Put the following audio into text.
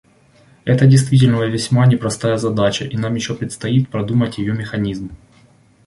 Это действительно весьма непростая задача, и нам еще предстоит продумать ее механизм.